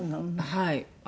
はい。